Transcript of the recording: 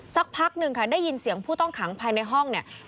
สักพักหนึ่งค่ะได้ยินเสียงผู้ต้องขังภายในห้องเนี่ย